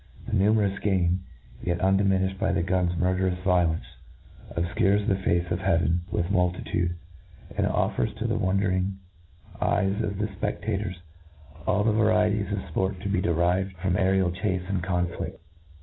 The numerous game, yet undiminiflied by the gun's murderous violence, obfcures the face of heaven with mul titude, and offers to the wondering eyes of the fpc£kators all the varieties of fport to be derived from aerial ch^ce and conflict.